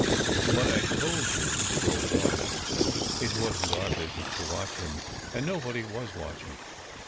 But I told you he d strolled off. It wasn t our business to watch him, and nobody was watching.